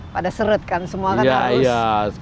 pada serut kan semua kan harus